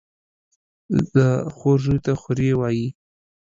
د خور زوى ته خوريه وايي.